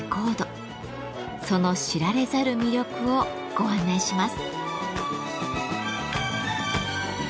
その知られざる魅力をご案内します。